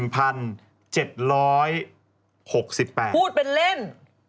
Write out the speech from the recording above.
พูดเป็นเล่น